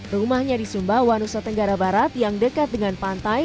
rumahnya di sumba wanusa tenggara barat yang dekat dengan pantai